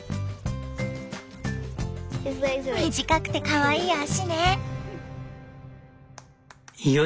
短くてかわいい足ねえ。